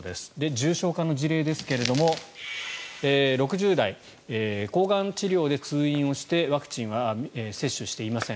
重症化の事例ですけれども６０代抗がん治療で通院をしてワクチンは接種していません。